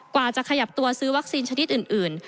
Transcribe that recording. กว่าจะขยับตัวซื้อวัคซีนชนิดอื่น